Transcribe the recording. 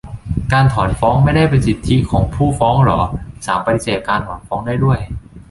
การถอนฟ้องไม่ได้เป็นสิทธิของผู้ฟ้องเหรอ ศาลปฏิเสธการถอนฟ้องได้ด้วย ?